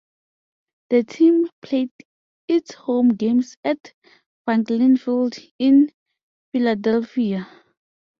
The team played its home games at Franklin Field in Philadelphia.